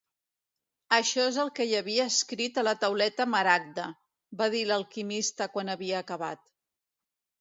"Això és el que hi havia escrit a la Tauleta maragda", va dir l'alquimista quan havia acabat.